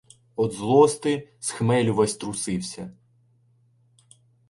Од злости, з хмелю ввесь трусився